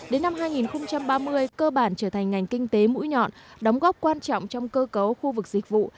đến năm hai nghìn ba mươi cơ bản trở thành ngành kinh tế mũi nhọn đóng góp quan trọng trong cơ cấu khu vực dịch vụ